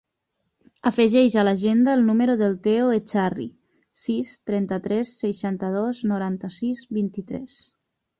Afegeix a l'agenda el número del Teo Echarri: sis, trenta-tres, seixanta-dos, noranta-sis, vint-i-tres.